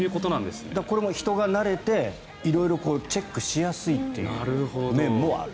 これも人が慣れて色々チェックしやすいという面もある。